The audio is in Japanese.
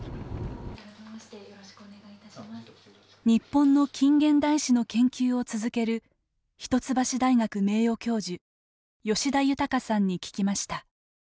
日本の近現代史の研究を続ける一橋大学名誉教授吉田裕さんに聞きました。